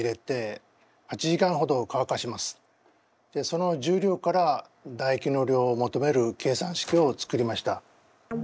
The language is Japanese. その重量からだ液の量を求める計算式を作りました。